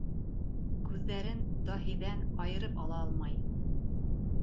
Күҙҙәрен даһиҙән айырып ала алмай.